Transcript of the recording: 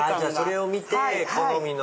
それを見て好みの。